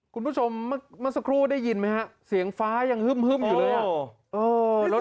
กุลผู้ชมมนตร์สักครู่ได้ยินมั้ยฮะเสียงฟ้ายังฮึมอยู่หน่อย